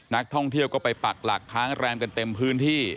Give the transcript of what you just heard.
นักท่องเที่ยวก็ไปปักหลักค้างแรมกันเต็มพื้นที่